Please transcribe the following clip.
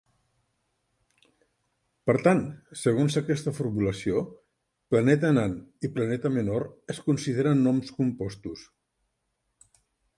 Per tant, segons aquesta formulació, "planeta nan" i "planeta menor" es consideren noms compostos.